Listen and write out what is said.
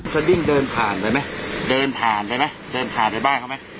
จะดิ้งเดินผ่านได้ไหม